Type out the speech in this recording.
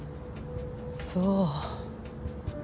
そう。